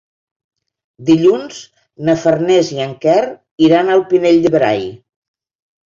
Dilluns na Farners i en Quer iran al Pinell de Brai.